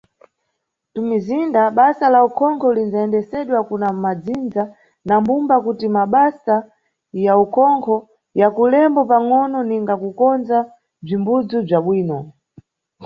Nʼtumizinda, basa la ukhonkho lindzayendesedwa kuna madzindza na mbumba kuti mabasa ya ukhonkho yakulembo pangʼono ninga kukondza bzimbudzi bza bwino.